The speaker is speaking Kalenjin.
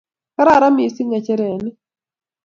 kararan mising ng'echere ni